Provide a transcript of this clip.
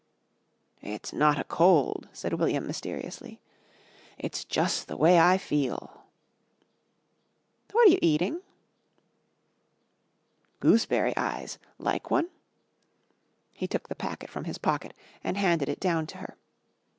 '" "It's not a cold," said William mysteriously. "It's jus' the way I feel." "What are you eating?" "Gooseberry Eyes. Like one?" He took the packet from his pocket and handed it down to her.